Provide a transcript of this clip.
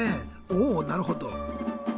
おなるほど。